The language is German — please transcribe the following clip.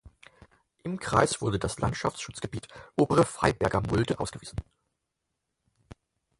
Im Kreis wurde das Landschaftsschutzgebiet »Obere Freiberger Mulde« ausgewiesen.